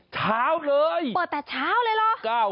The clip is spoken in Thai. เช้าเลยเปิดแต่เช้าเลยเหรอ